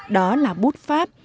đó là bút pháp